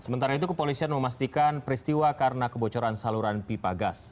sementara itu kepolisian memastikan peristiwa karena kebocoran saluran pipa gas